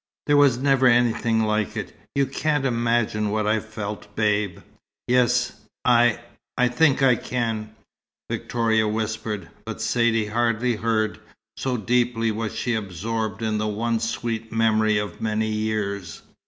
There was never anything like it. You can't imagine what I felt, Babe." "Yes. I think I can," Victoria whispered, but Saidee hardly heard, so deeply was she absorbed in the one sweet memory of many years.